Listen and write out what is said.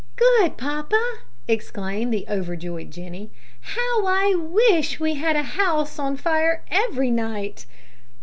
"Good papa!" exclaimed the overjoyed Jenny; "how I wis' we had a house on fire every night!"